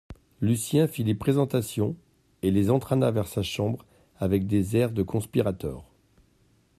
Lucien fit les présentations et les entraîna vers sa chambre avec des airs de conspirateurs.